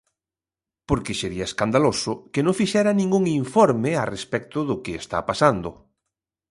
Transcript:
Porque sería escandaloso que non fixera ningún informe a respecto do que está pasando.